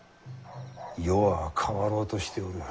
世は変わろうとしておる。